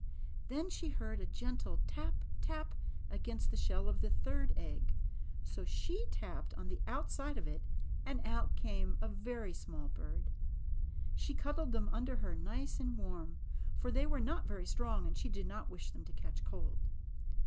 Then she heard a gentle tap, tap against the shell of the third egg; so she tapped on the outside of it, and out came a very small bird. She cud dled them under her, nice and warm, for they were not very strong and she did not wish them to catch cold.